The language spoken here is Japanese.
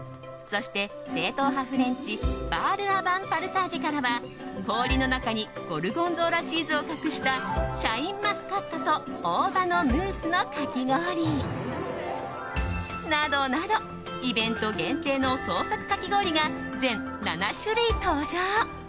そして、正統派フレンチバールアヴァンパルタージェからは氷の中にゴルゴンゾーラチーズを隠したシャインマスカットと大葉のムースのかき氷。などなどイベント限定の創作かき氷が全７種類登場。